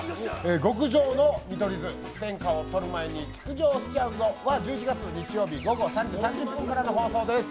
「極城の見取り図天下取る前に築城しちゃうぞ！」は１１日日曜日午後３時３０分からの放送です。